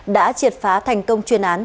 đã triệt phá thành công chuyên án